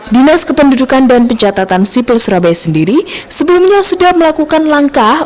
dinas kependudukan dan pencatatan sipil surabaya sendiri sebelumnya sudah melakukan langkah